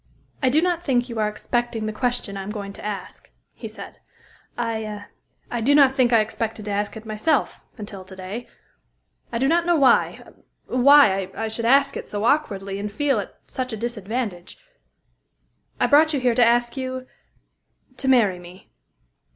"I do not think you are expecting the question I am going to ask," he said. "I do not think I expected to ask it myself, until to day. I do not know why why I should ask it so awkwardly, and feel at such a disadvantage. I brought you here to ask you to marry me."